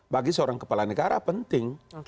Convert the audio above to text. bagi seorang kepala negara penting